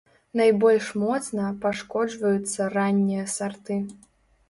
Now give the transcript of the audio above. Найбольш моцна пашкоджваюцца раннія сарты.